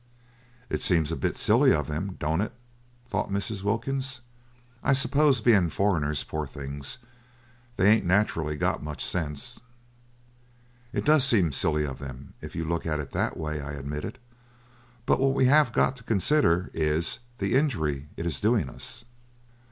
"It seems a bit silly of them, don't it?" thought Mrs. Wilkins. "I suppose being foreigners, poor things, they ain't naturally got much sense." "It does seem silly of them, if you look at it that way," I admitted, "but what we have got to consider is, the injury it is doing us."